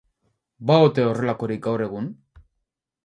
Ba ote horrelakorik gaur egun?